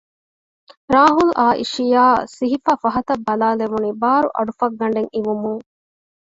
ރާހުލް އާއި ޝިޔާއަށް ސިހިފައި ފަހަތް ބަލާލެވުނީ ބާރު އަޑުފައްގަނޑެއް އިވުމުން